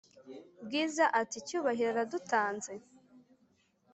bwiza ati"cyubahiro aradutanze?"